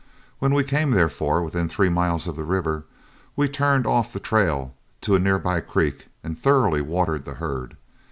When we came, therefore, within three miles of the river, we turned off the trail to a near by creek and thoroughly watered the herd.